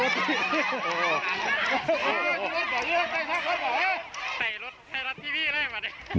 ใส่รถที่ที่แรกหน่อย